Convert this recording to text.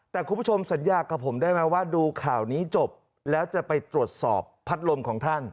แต่คุณผู้ชมสัญญากับผมได้ไหมว่าดูข่าวนี้จบแล้วจะไปตรวจสอบพัดลมของท่าน